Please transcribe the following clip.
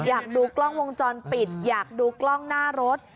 อยากดูกล้องวงจรปิดอยากดูกล้องหน้ารถ